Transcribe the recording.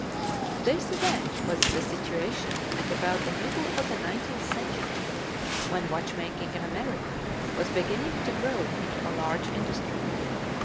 _] This, then, was the situation at about the middle of the nineteenth century when watchmaking in America was beginning to grow into a large industry.